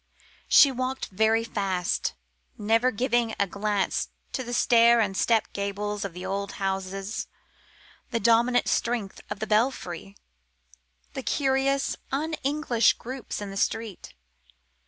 She walked very fast, never giving a glance to the step and stair gables of the old houses, the dominant strength of the belfry, the curious, un English groups in the streets.